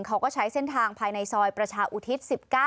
เขาก็ใช้เส้นทางภายในซอยประชาอุทิศ๑๙